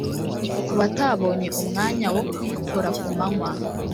ku batabonye umwanya wo kuyikora ku manywa